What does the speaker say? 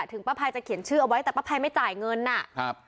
ป้าภัยจะเขียนชื่อเอาไว้แต่ป้าภัยไม่จ่ายเงินอ่ะครับ